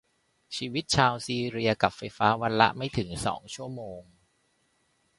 ชีวิตชาวซีเรียกับไฟฟ้าวันละไม่ถึงสองชั่วโมง